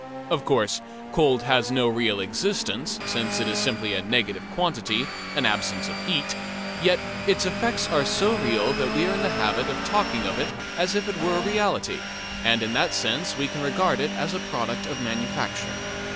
Of course, cold has no real existence, since it is simply a negative quantity, an absence of heat, yet its effects are so real that we are in the habit of talking of it as if it were a reality, and in that sense we can regard it as a product of manufacture.